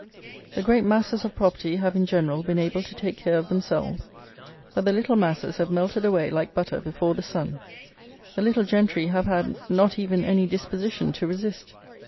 The great masses of property have, in general, been able to take care of themselves: but the little masses have melted away like butter before the sun. The little gentry have had not even any disposition to resist.